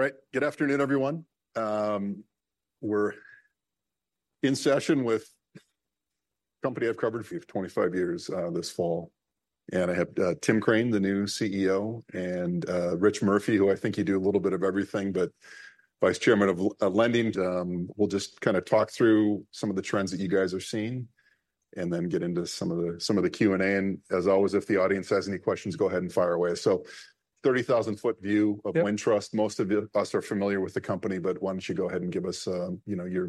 All right, good afternoon, everyone. We're in session with a company I've covered for 25 years, this fall. And I have Tim Crane, the new CEO, and Rich Murphy, who I think you do a little bit of everything, but Vice Chairman of Lending. We'll just kind of talk through some of the trends that you guys are seeing and then get into some of the Q&A. And as always, if the audience has any questions, go ahead and fire away. So, 30,000-foot view of Wintrust. Most of you are familiar with the company, but why don't you go ahead and give us, you know, your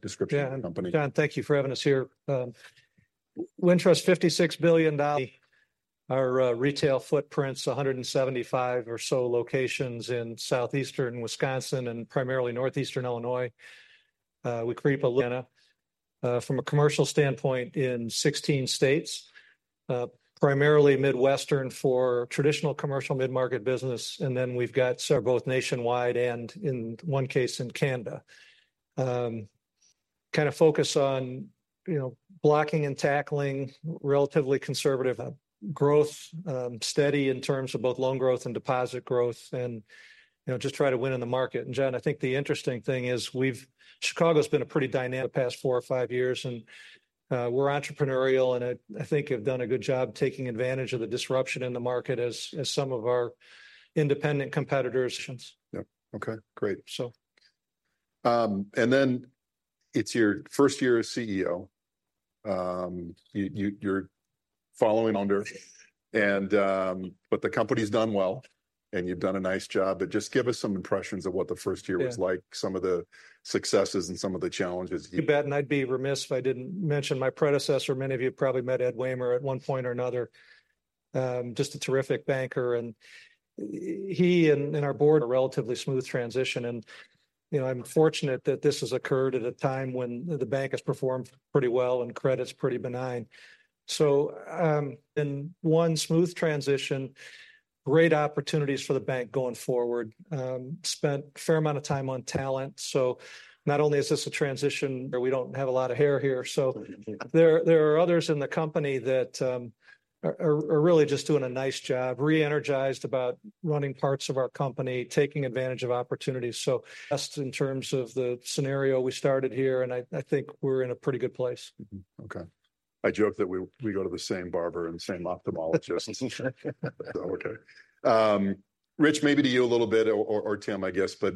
description of the company? Yeah. Jon, thank you for having us here. Wintrust, $56 billion. Our retail footprint's 175 or so locations in Southeastern Wisconsin and primarily Northeastern Illinois. We creep into Canada from a commercial standpoint in 16 states, primarily Midwestern for traditional commercial mid-market business. And then we've got both nationwide and, in one case, in Canada, kind of focus on, you know, blocking and tackling relatively conservative growth, steady in terms of both loan growth and deposit growth, and, you know, just try to win in the market. And, Jon, I think the interesting thing is we've seen Chicago's been a pretty dynamic market over the past 4 or 5 years, and, we're entrepreneurial and I think have done a good job taking advantage of the disruption in the market as some of our independent competitors. Yep. Okay, great. So, and then it's your first year as CEO. You're following under, and, but the company's done well, and you've done a nice job. But just give us some impressions of what the first year was like, some of the successes and some of the challenges. You bet. And I'd be remiss if I didn't mention my predecessor. Many of you probably met Ed Wehmer at one point or another. Just a terrific banker. And he and our board. A relatively smooth transition. And, you know, I'm fortunate that this has occurred at a time when the bank has performed pretty well and credit's pretty benign. So, been one smooth transition, great opportunities for the bank going forward. Spent a fair amount of time on talent. So not only is this a transition. We don't have a lot of hair here. So there are others in the company that are really just doing a nice job, re-energized about running parts of our company, taking advantage of opportunities. So. Best in terms of the scenario we started here, and I think we're in a pretty good place. Okay. I joke that we go to the same barber and same ophthalmologist. Okay. Rich, maybe to you a little bit, or Tim, I guess. But,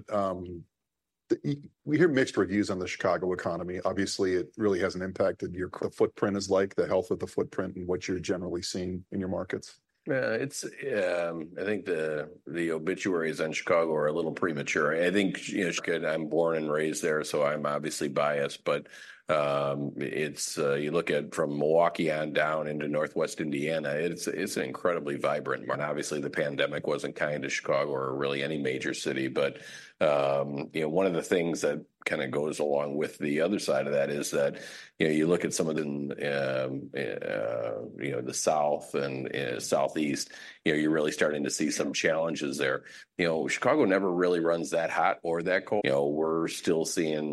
we hear mixed reviews on the Chicago economy. Obviously, it really has an impact on your footprint is like, the health of the footprint, and what you're generally seeing in your markets? Yeah, it's, I think the obituaries on Chicago are a little premature. I think, you know. And I'm born and raised there, so I'm obviously biased. But, it's, you look at from Milwaukee on down into Northwest Indiana, it's an incredibly vibrant market. Obviously, the pandemic wasn't kind to Chicago or really any major city. But, you know, one of the things that kind of goes along with the other side of that is that, you know, And, you know, the South and, Southeast, you know, you're really starting to see some challenges there. You know, Chicago never really runs that hot or that cold. You know, we're still seeing,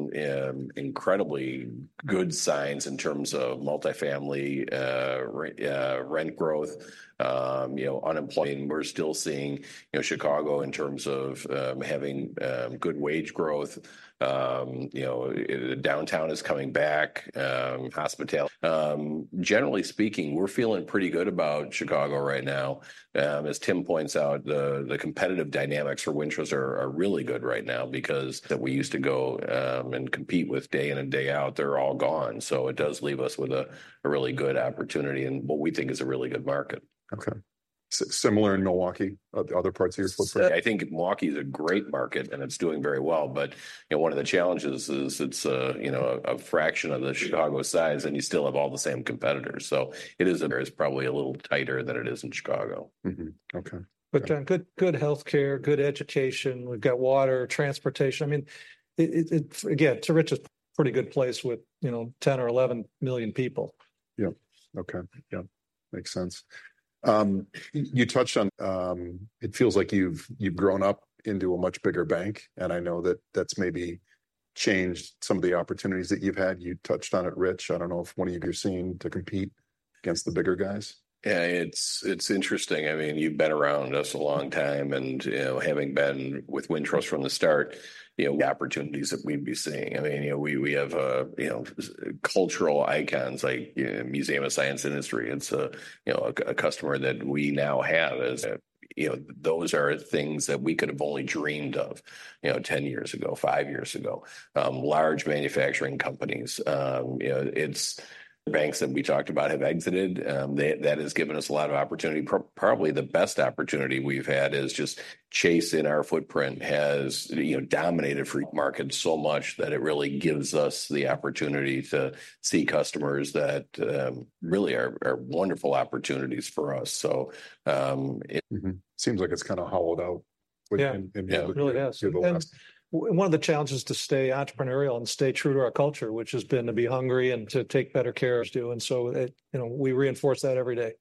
incredibly good signs in terms of multifamily, rent growth, you know, unemployment. We're still seeing, you know, Chicago in terms of, having, good wage growth. You know, downtown is coming back. Hospitality. Generally speaking, we're feeling pretty good about Chicago right now. As Tim points out, the competitive dynamics for Wintrust are really good right now because that we used to go and compete with day in and day out, they're all gone. So it does leave us with a really good opportunity and what we think is a really good market. Okay. Similar in Milwaukee? Other parts of your footprint? I think Milwaukee's a great market, and it's doing very well. But, you know, one of the challenges is it's, you know, a fraction of the Chicago size, and you still have all the same competitors. So it is probably a little tighter than it is in Chicago. Okay. But, Jon, good healthcare, good education. We've got water, transportation. I mean, it again, to Rich's. Pretty good place with, you know, 10 or 11 million people. Yep. Okay. Yep. Makes sense. You touched on it. It feels like you've you've grown up into a much bigger bank, and I know that that's maybe changed some of the opportunities that you've had. You touched on it, Rich. I don't know if one of you you're seeing to compete against the bigger guys? Yeah, it's interesting. I mean, you've been around us a long time, and, you know, having been with Wintrust from the start, you know. Opportunities that we'd be seeing. I mean, you know, we have a, you know, cultural icons like, you know, Museum of Science and Industry. It's a, you know, a customer that we now have as. You know, those are things that we could have only dreamed of, you know, 10 years ago, 5 years ago. Large manufacturing companies, you know, it's. Banks that we talked about have exited. That has given us a lot of opportunity. Probably the best opportunity we've had is just Chase's footprint has, you know, dominated our market so much that it really gives us the opportunity to see customers that really are wonderful opportunities for us. So, it. Seems like it's kind of hollowed out within the. Yeah, it really has. One of the challenges to stay entrepreneurial and stay true to our culture, which has been to be hungry and to take better care. And so it, you know, we reinforce that every day.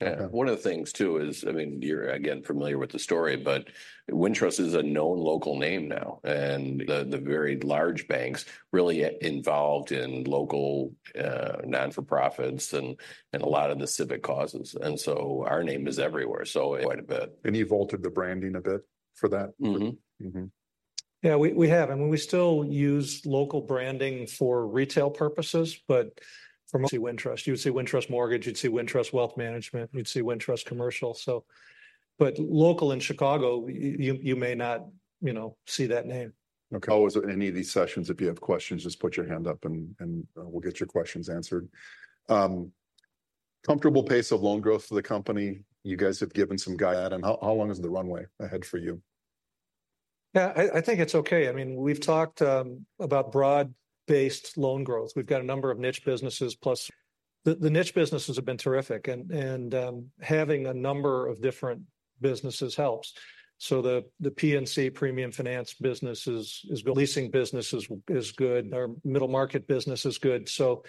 Yeah. One of the things, too, is, I mean, you're again familiar with the story, but Wintrust is a known local name now, and. The very large banks really involved in local, non-for-profits and a lot of the civic causes. And so our name is everywhere. So. Quite a bit. You've altered the branding a bit for that? Mm-hmm. Yeah, we have. I mean, we still use local branding for retail purposes. But, see, Wintrust. You'd see Wintrust Mortgage. You'd see Wintrust Wealth Management. You'd see Wintrust Commercial. So. But local in Chicago, you may not, you know, see that name. Okay. Always in any of these sessions, if you have questions, just put your hand up, and we'll get your questions answered. Comfortable pace of loan growth for the company. You guys have given some guidance. How long is the runway ahead for you? Yeah, I think it's okay. I mean, we've talked about broad-based loan growth. We've got a number of niche businesses, plus. The niche businesses have been terrific, and having a number of different businesses helps. So the P&C premium finance business is good. Leasing business is good. Our middle market business is good. So,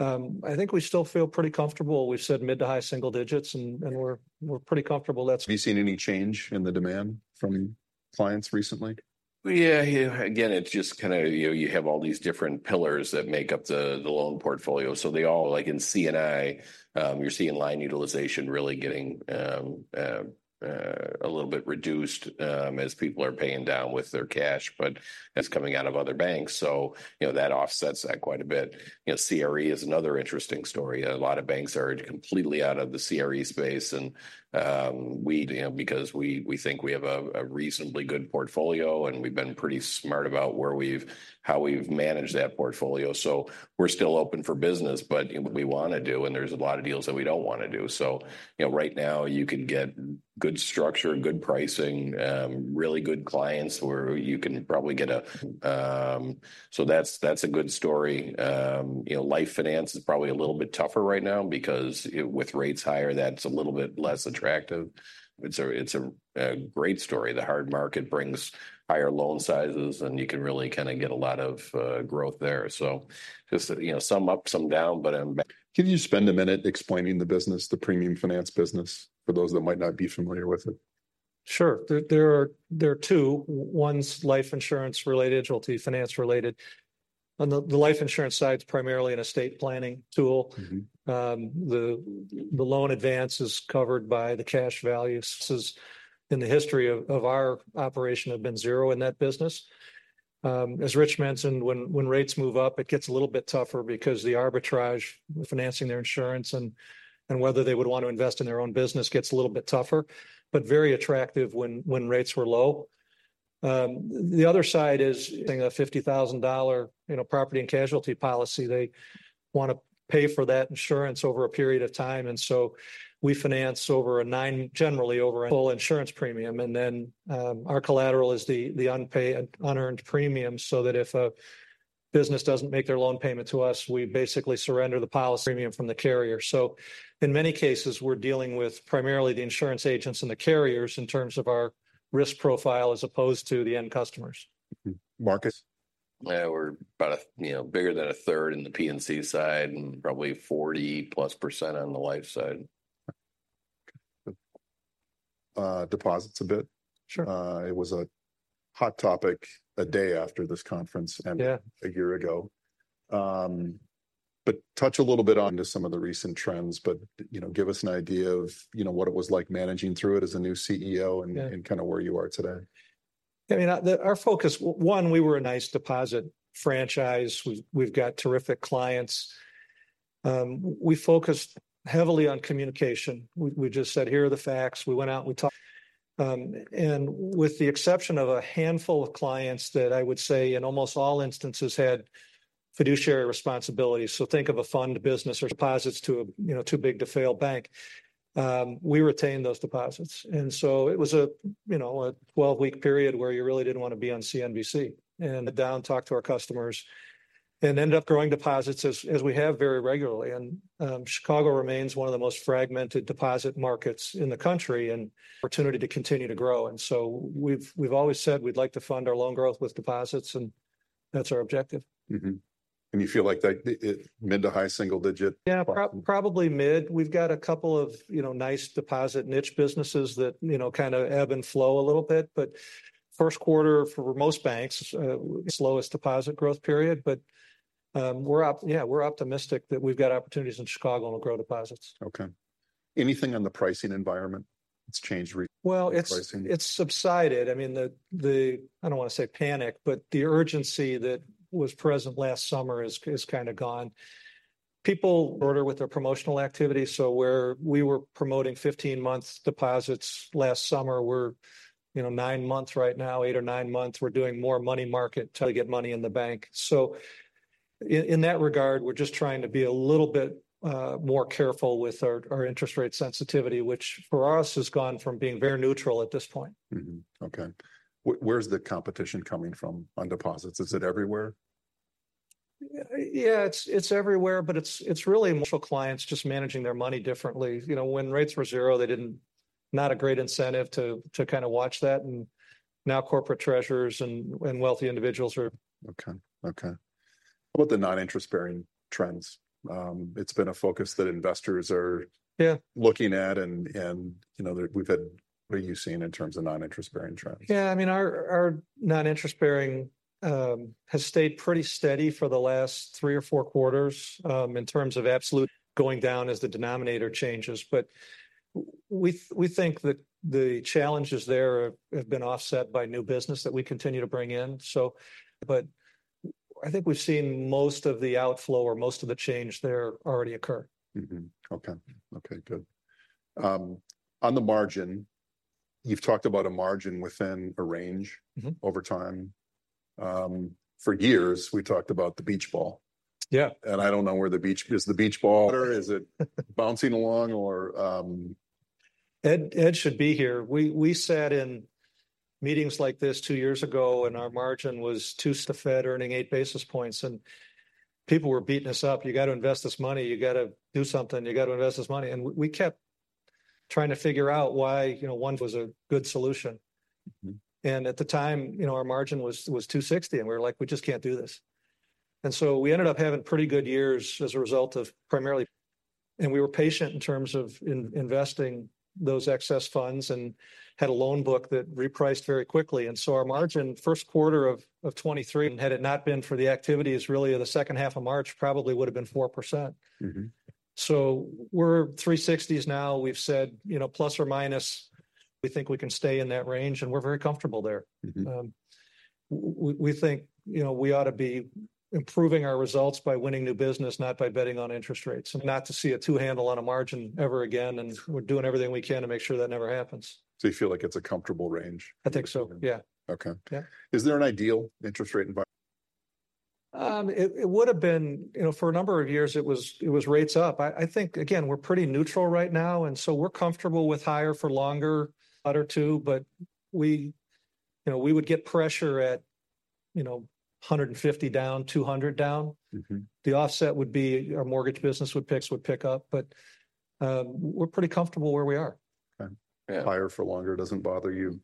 I think we still feel pretty comfortable. We've said mid- to high single digits, and we're pretty comfortable. That's. Have you seen any change in the demand from clients recently? Yeah, you know, again, it's just kind of, you know, you have all these different pillars that make up the loan portfolio. So they all, like, in C&I, you're seeing line utilization really getting a little bit reduced, as people are paying down with their cash but coming out of other banks. So, you know, that offsets that quite a bit. You know, CRE is another interesting story. A lot of banks are completely out of the CRE space. And we, you know, because we think we have a reasonably good portfolio, and we've been pretty smart about how we've managed that portfolio. So we're still open for business. But, you know, we want to do, and there's a lot of deals that we don't want to do. So, you know, right now, you could get good structure, good pricing, really good clients where you can probably get. So that's a good story. You know, life finance is probably a little bit tougher right now because, with rates higher, that's a little bit less attractive. It's a great story. The hard market brings higher loan sizes, and you can really kind of get a lot of growth there. So just, you know, some up, some down, but I'm. Can you spend a minute explaining the business, the premium finance business, for those that might not be familiar with it? Sure. There are two. One's life insurance related. Premium finance related. On the life insurance side's primarily an estate planning tool. The loan advance is covered by the cash values. In the history of our operation have been zero in that business. As Rich mentioned, when rates move up, it gets a little bit tougher because the arbitrage. Financing their insurance, and whether they would want to invest in their own business gets a little bit tougher, but very attractive when rates were low. The other side is a $50,000, you know, property and casualty policy. They want to pay for that insurance over a period of time. And so we finance over a 9 generally over insurance premium. And then, our collateral is the unpaid unearned premium. So that if a business doesn't make their loan payment to us, we basically surrender the policy premium from the carrier. So in many cases, we're dealing with primarily the insurance agents and the carriers in terms of our risk profile, as opposed to the end customers. Marcus? Yeah, we're about, you know, bigger than a third in the P&C side, and probably 40+% on the life side. Deposits a bit. Sure. It was a hot topic a day after this conference and a year ago, but touch a little bit on to some of the recent trends. But, you know, give us an idea of, you know, what it was like managing through it as a new CEO, and kind of where you are today. I mean, our focus, one, we were a nice deposit franchise. We've got terrific clients. We focused heavily on communication. We just said, here are the facts. We went out. We talked. And with the exception of a handful of clients that I would say in almost all instances had fiduciary responsibilities. So think of a fund business or. Deposits to a, you know, too big to fail bank. We retained those deposits. And so it was a, you know, a 12-week period where you really didn't want to be on CNBC and Down, talk to our customers. And ended up growing deposits as we have very regularly. And Chicago remains one of the most fragmented deposit markets in the country, and. Opportunity to continue to grow. And so we've always said we'd like to fund our loan growth with deposits, and that's our objective. You feel like that it's mid- to high single-digit. Yeah, probably mid. We've got a couple of, you know, nice deposit niche businesses that, you know, kind of ebb and flow a little bit. But first quarter for most banks, slowest deposit growth period. But, we're optimistic that we've got opportunities in Chicago and we'll grow deposits. Okay. Anything on the pricing environment? It's changed. Well, it's subsided. I mean, the urgency that was present last summer is kind of gone. People order with their promotional activity. So where we were promoting 15-month deposits last summer, we're, you know, 9 months right now, 8 or 9 months. We're doing more money market to get money in the bank. So in that regard, we're just trying to be a little bit more careful with our interest rate sensitivity, which for us has gone from being very neutral at this point. Okay. Where's the competition coming from on deposits? Is it everywhere? Yeah, it's everywhere. But it's really. Clients just managing their money differently. You know, when rates were 0, they didn't. Not a great incentive to kind of watch that. And now corporate treasurers and wealthy individuals are. Okay. Okay. How about the non-interest-bearing trends? It's been a focus that investors are. Yeah. You know that we've had. What have you seen in terms of non-interest bearing trends? Yeah, I mean, our non-interest bearing has stayed pretty steady for the last 3 or 4 quarters, in terms of absolute. Going down as the denominator changes. But we think that the challenges there have been offset by new business that we continue to bring in. So. But I think we've seen most of the outflow or most of the change there already occur. Okay. Okay, good. On the margin. You've talked about a margin within a range over time. For years we talked about the beach ball. Yeah. I don't know where the beach is. The beach ball. Is it bouncing along, or? Ed should be here. We sat in meetings like this two years ago, and our margin was 2. The Fed earning eight basis points, and people were beating us up. You got to invest this money. You got to do something. You got to invest this money. And we kept trying to figure out why, you know, one was a good solution. And at the time, you know, our margin was 260, and we were like, we just can't do this. And so we ended up having pretty good years as a result of primarily. And we were patient in terms of investing those excess funds and had a loan book that repriced very quickly. And so our margin 1st quarter of 2023. Had it not been for the activities, really, of the second half of March probably would have been 4%. So we're 360 now. We've said, you know, plus or minus. We think we can stay in that range, and we're very comfortable there. We think, you know, we ought to be improving our results by winning new business, not by betting on interest rates, and not to see a 2 handle on a margin ever again. And we're doing everything we can to make sure that never happens. So you feel like it's a comfortable range? I think so. Yeah. Okay. Yeah. Is there an ideal interest rate environment? It would have been, you know, for a number of years. It was rates up. I think again, we're pretty neutral right now. And so we're comfortable with higher for longer or 2. But we, you know, we would get pressure at, you know, 150 down, 200 down. The offset would be. Our mortgage business would pick up. But, we're pretty comfortable where we are. Okay. Yeah. Higher for longer doesn't bother you?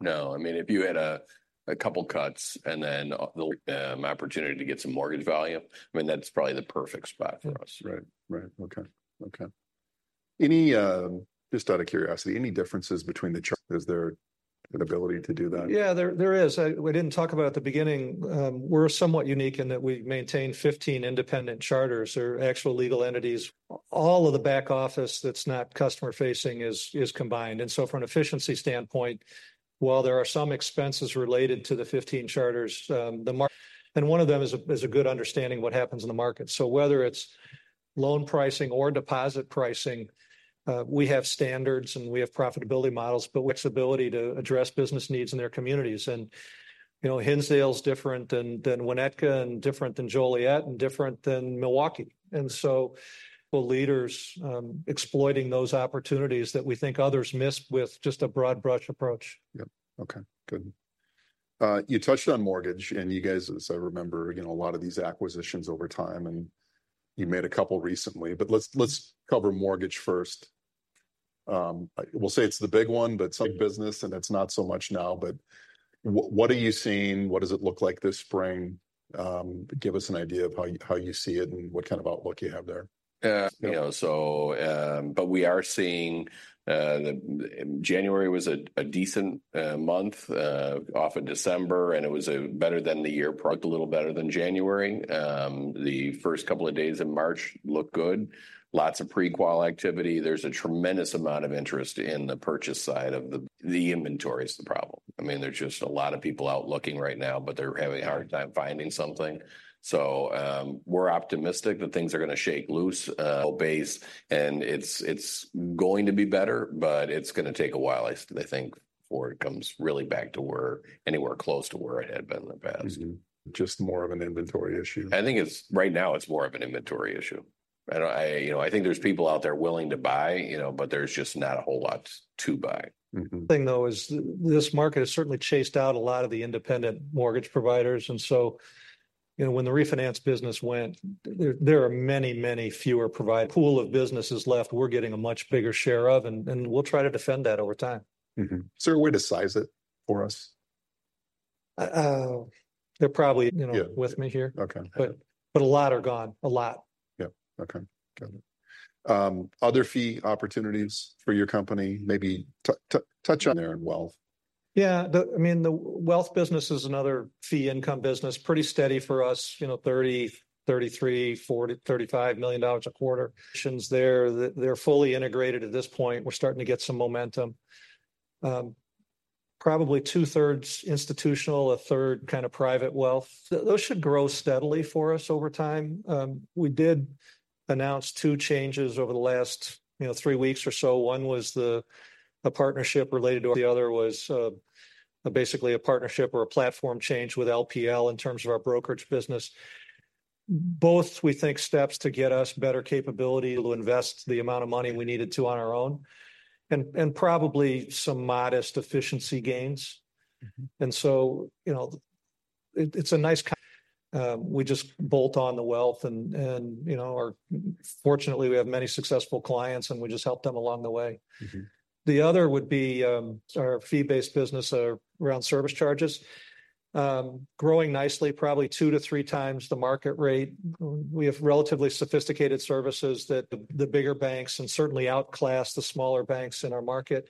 No. I mean, if you had a couple cuts, and then the opportunity to get some mortgage volume. I mean, that's probably the perfect spot for us. Right. Right. Okay. Okay. Any, just out of curiosity, any differences between the. Is there an ability to do that? Yeah, there is. We didn't talk about it at the beginning. We're somewhat unique in that we maintain 15 independent charters or actual legal entities. All of the back office that's not customer facing is combined. And so from an efficiency standpoint, while there are some expenses related to the 15 charters, the. And one of them is a good understanding of what happens in the market. So whether it's loan pricing or deposit pricing, we have standards, and we have profitability models, but flexibility to address business needs in their communities. And, you know, Hinsdale's different than Winnetka, and different than Joliet, and different than Milwaukee. And so leaders, exploiting those opportunities that we think others miss with just a broad brush approach. Yep. Okay, good. You touched on mortgage, and you guys, as I remember, you know, a lot of these acquisitions over time. And you made a couple recently. But let's cover mortgage first. We'll say it's the big one, but some business, and it's not so much now. But what are you seeing? What does it look like this spring? Give us an idea of how you see it, and what kind of outlook you have there. Yeah. You know. So, but we are seeing, the January was a decent month off in December, and it was better than the year. A little better than January. The 1st couple of days in March look good. Lots of pre-qual activity. There's a tremendous amount of interest in the purchase side of the. The inventory is the problem. I mean, there's just a lot of people out looking right now, but they're having a hard time finding something. So, we're optimistic that things are going to shake loose. Base. And it's going to be better, but it's going to take a while, I think, before it comes really back to where anywhere close to where it had been in the past. Just more of an inventory issue. I think it's right now. It's more of an inventory issue. You know, I think there's people out there willing to buy, you know, but there's just not a whole lot to buy. thing, though, is this market has certainly chased out a lot of the independent mortgage providers. And so, you know, when the refinance business went, there are many, many fewer providers. Pool of businesses left. We're getting a much bigger share of, and we'll try to defend that over time. Is there a way to size it for us? They're probably, you know, with me here. Okay. But a lot are gone. A lot. Yep. Okay. Got it. Other fee opportunities for your company. Maybe touch on there in wealth. Yeah. I mean, the wealth business is another fee income business pretty steady for us, you know, $30 million, $33 million, $40 million, $35 million a quarter. They're fully integrated at this point. We're starting to get some momentum. Probably two-thirds institutional, a third kind of private wealth. Those should grow steadily for us over time. We did announce two changes over the last, you know, three weeks or so. One was a partnership related to. The other was, basically a partnership or a platform change with LPL. In terms of our brokerage business. Both, we think, steps to get us better capability to invest the amount of money we needed to on our own. And probably some modest efficiency gains. And so, you know. It's a nice. We just bolt on the wealth, and, you know, our. Fortunately, we have many successful clients, and we just help them along the way. The other would be our fee-based business around service charges growing nicely, probably 2-3 times the market rate. We have relatively sophisticated services that the bigger banks, and certainly outclass the smaller banks in our market.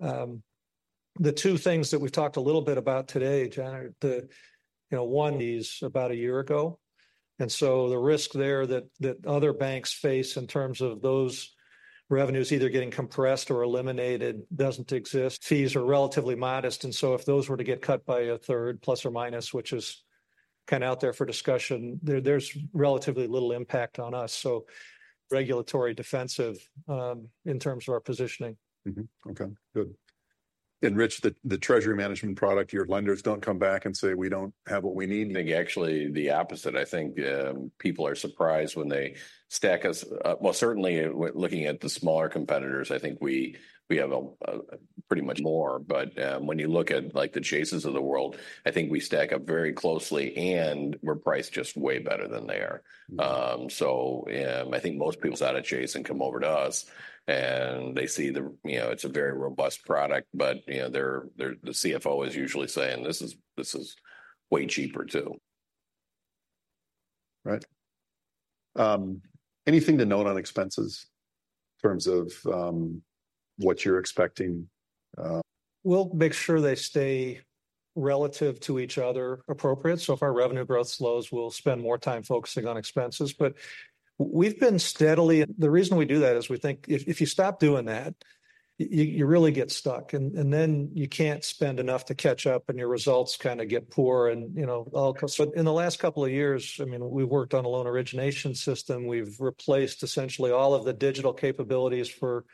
The 2 things that we've talked a little bit about today, Jon, or the, you know, one. Fees about a year ago. And so the risk there that other banks face in terms of those revenues either getting compressed or eliminated doesn't exist. Fees are relatively modest. And so if those were to get cut by a 1/3 ±, which is kind of out there for discussion, there's relatively little impact on us. So, regulatory defensive, in terms of our positioning. Okay, good. Enrich the treasury management product. Your lenders don't come back and say, we don't have what we need. I think actually the opposite. I think people are surprised when they stack us. Well, certainly, looking at the smaller competitors, I think we have a pretty much more. But when you look at like the Chases of the world, I think we stack up very closely, and we're priced just way better than they are. So, I think most people out of Chase come over to us, and they see the, you know, it's a very robust product. But you know, their CFO is usually saying, this is way cheaper, too. Right. Anything to note on expenses in terms of what you're expecting? We'll make sure they stay relative to each other appropriate. So if our revenue growth slows, we'll spend more time focusing on expenses. But we've been steadily. The reason we do that is we think if you stop doing that, you really get stuck, and then you can't spend enough to catch up, and your results kind of get poor. And you know, in the last couple of years, I mean, we've worked on a loan origination system. We've replaced essentially all of the digital capabilities for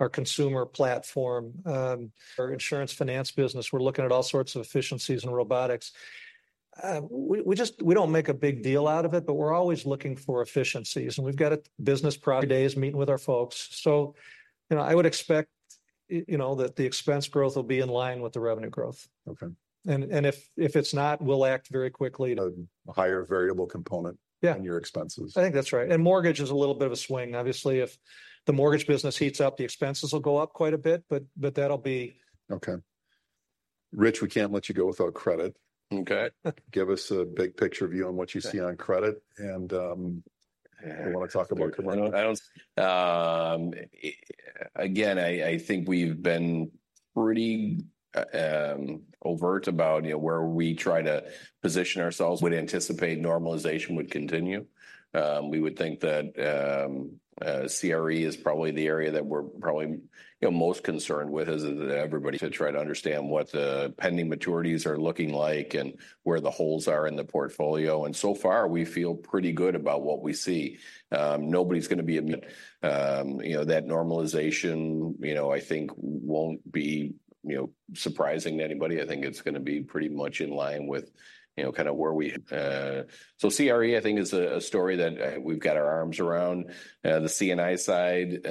our consumer platform, our insurance finance business. We're looking at all sorts of efficiencies and robotics. We just don't make a big deal out of it. But we're always looking for efficiencies, and we've got a business process days meeting with our folks. You know, I would expect, you know, that the expense growth will be in line with the revenue growth. Okay. And if it's not, we'll act very quickly. A higher variable component. Yeah. In your expenses. I think that's right. And mortgage is a little bit of a swing. Obviously, if the mortgage business heats up, the expenses will go up quite a bit. But that'll be. Okay. Rich, we can't let you go without credit. Okay. Give us a big picture view on what you see on credit. And, I want to talk about. Again, I think we've been pretty overt about, you know, where we try to position ourselves. Would anticipate normalization would continue. We would think that CRE is probably the area that we're probably, you know, most concerned with, is that everybody to try to understand what the pending maturities are looking like, and where the holes are in the portfolio. And so far we feel pretty good about what we see. Nobody's going to be. But, you know, that normalization, you know, I think won't be, you know, surprising to anybody. I think it's going to be pretty much in line with, you know, kind of where we. So CRE, I think, is a story that we've got our arms around. The C&I side,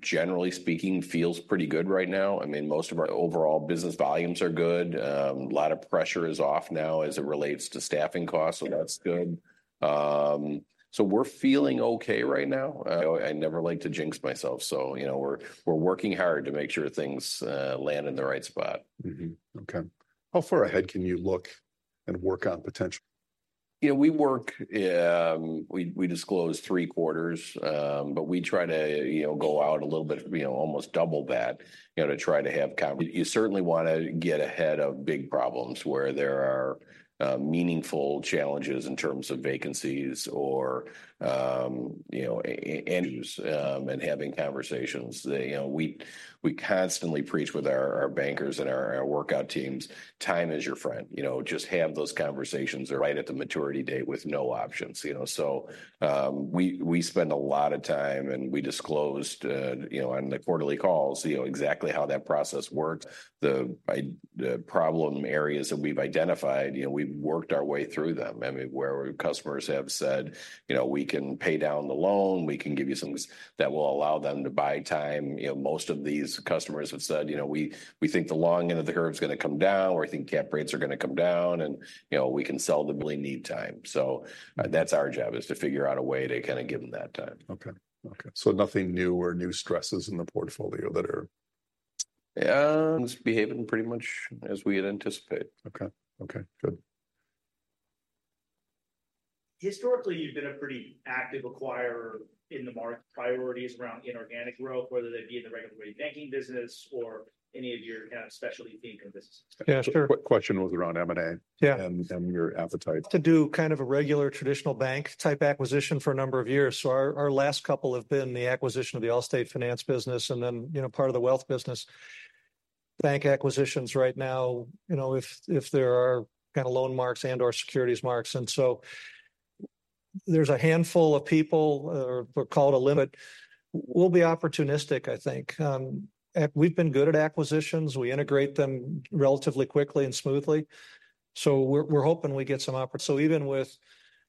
generally speaking, feels pretty good right now. I mean, most of our overall business volumes are good. A lot of pressure is off now as it relates to staffing costs. So that's good. So we're feeling okay right now. I never like to jinx myself. So, you know, we're working hard to make sure things land in the right spot. Okay. How far ahead can you look and work on potential? You know, we work. We disclose 3 quarters, but we try to, you know, go out a little bit, you know, almost double that, you know, to try to have. You certainly want to get ahead of big problems where there are meaningful challenges in terms of vacancies, or, you know, and having conversations. They, you know, we constantly preach with our bankers and our workout teams. Time is your friend. You know, just have those conversations right at the maturity date with no options, you know. So, we spend a lot of time, and we disclosed, you know, on the quarterly calls, you know, exactly how that process works. The problem areas that we've identified, you know, we've worked our way through them. I mean, where customers have said, you know, we can pay down the loan. We can give you some that will allow them to buy time. You know, most of these customers have said, you know, we think the long end of the curve is going to come down, or I think cap rates are going to come down, and, you know, we can sell them. Need time. So that's our job is to figure out a way to kind of give them that time. Okay. Okay. So nothing new or new stresses in the portfolio that are. Behaving pretty much as we had anticipated. Okay. Okay. Good. Historically, you've been a pretty active acquirer in the market. Priorities around inorganic growth, whether they be in the regular way banking business or any of your kind of specialty theme businesses? Yeah, sure. Question was around M&A. Yeah. And your appetite. To do kind of a regular traditional bank type acquisition for a number of years. So our last couple have been the acquisition of the Allstate Finance business, and then, you know, part of the wealth business. Bank acquisitions right now, you know, if there are kind of loan marks and or securities marks. And so there's a handful of people or we're called a. But we'll be opportunistic, I think. We've been good at acquisitions. We integrate them relatively quickly and smoothly. So we're hoping we get some. So even with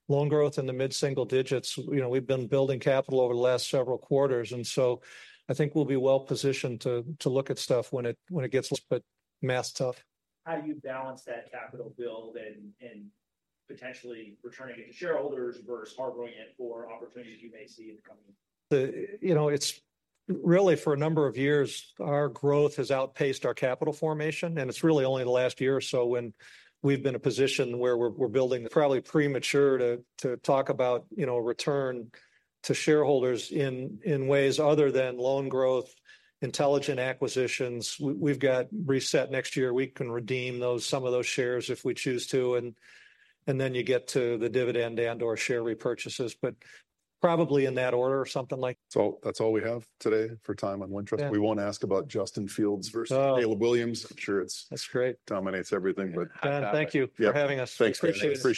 loan growth in the mid single digits, you know, we've been building capital over the last several quarters. And so I think we'll be well positioned to look at stuff when it gets. But math's tough. How do you balance that capital build and potentially returning it to shareholders versus harboring it for opportunities that you may see in the coming? You know, it's really for a number of years. Our growth has outpaced our capital formation, and it's really only the last year or so when we've been a position where we're building. Probably premature to talk about, you know, a return to shareholders in ways other than loan growth, intelligent acquisitions. We've got reset next year. We can redeem some of those shares if we choose to. And then you get to the dividend and or share repurchases, but probably in that order or something like. That's all we have today for time on Wintrust. We won't ask about Justin Fields versus Caleb Williams. I'm sure it's. That's great. Dominates everything. But. Jon, thank you for having us. Thanks very much.